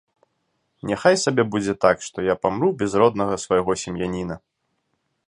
Няхай сабе будзе так, што я памру без роднага свайго сем'яніна.